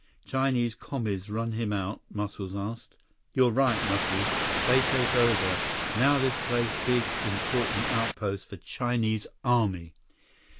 "Chinese Commies run him out?" Muscles asked. "You right, Muscles. They take over. Now this place big, important outpost for Chinese Army."